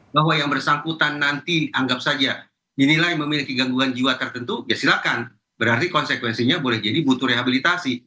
bahwa yang bersangkutan nanti anggap saja dinilai memiliki gangguan jiwa tertentu ya silakan berarti konsekuensinya boleh jadi butuh rehabilitasi